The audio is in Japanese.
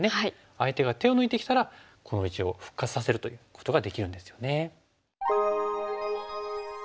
相手が手を抜いてきたらこの石を復活させるということができるんですよね。